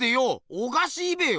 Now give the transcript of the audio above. おかしいべよ。